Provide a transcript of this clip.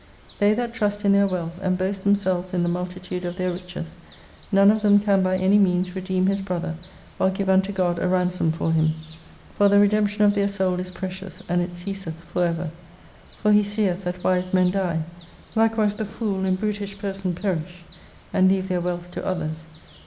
They that trust in their wealth, and boast themselves in the multitude of their riches, none of them can by any means redeem his brotlier, or give ujito God a ransom for him. For the redemption of their soul is precious and it ceaseth forever. For he seeth that wisi men die, likewise the fool and brutish person perish, and leave their wealth to others.